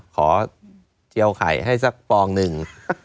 ขอเตียวไข่ให้สักปองนึง